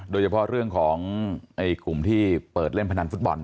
โดยเฉพาะเรื่องของกลุ่มที่เปิดเล่นพนันฟุตบอล